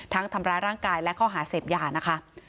ทำร้ายร่างกายและข้อหาเสพยานะคะ